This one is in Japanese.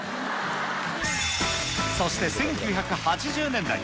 そして１９８０年代。